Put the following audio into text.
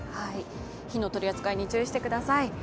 火の取り扱いに注意してください。